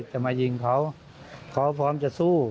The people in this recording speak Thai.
จะมายิงเขาเขาพร้อมจะสู้